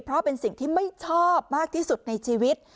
เพราะเป็นสิ่งที่ไม่ชอบมากที่สุดในชีวิต